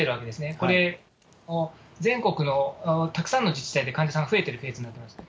これ、全国のたくさんの自治体で患者さんが増えてるフェーズになってます。